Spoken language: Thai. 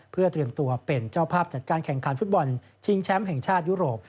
เพื่อเตรียมตัวเป็นเจ้าภาพจัดการแข่งขันฟุตบอลชิงแชมป์แห่งชาติยุโรป